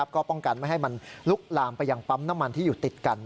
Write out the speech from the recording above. ก็ป้องกันไม่ให้มันลุกลามไปยังปั๊มน้ำมันที่อยู่ติดกัน